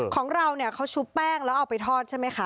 ของเราเนี่ยเขาชุบแป้งแล้วเอาไปทอดใช่ไหมคะ